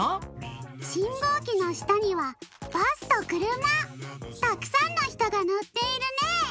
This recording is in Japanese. しんごうきのしたにはバスとくるま！たくさんのひとがのっているね。